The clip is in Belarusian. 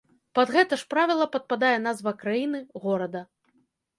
Пад гэта ж правіла падпадае назва краіны, горада.